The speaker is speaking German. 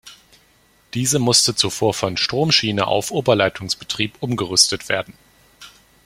Diese musste zuvor von Stromschiene auf Oberleitungsbetrieb umgerüstet werden.